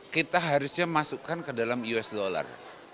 kita harusnya masukkan ke dalam us dollar